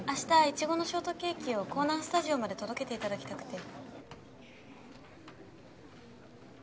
イチゴのショートケーキを港南スタジオまで届けていただきたくて。